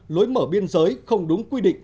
lối mở biên giới không đúng quy định